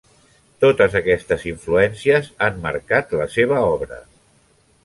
Totes aquestes influències han marcat la seva obra.